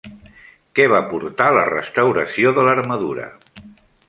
Què va portar la restauració de l'armadura?